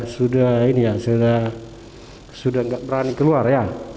sudah gak berani keluar ya